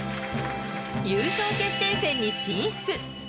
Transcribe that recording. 優勝決定戦に進出。